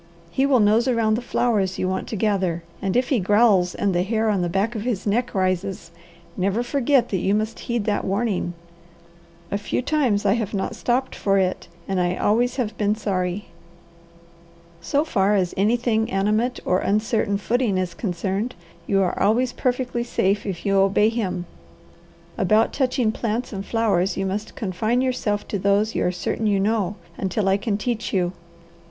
He will nose around the flowers you want to gather, and if he growls and the hair on the back of his neck rises, never forget that you must heed that warning. A few times I have not stopped for it, and I always have been sorry. So far as anything animate or uncertain footing is concerned, you are always perfectly safe if you obey him. About touching plants and flowers, you must confine yourself to those you are certain you know, until I can teach you.